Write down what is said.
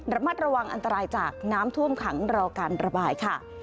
ระมัดระวังอันตรายจากน้ำท่วมขังรอการระบายค่ะ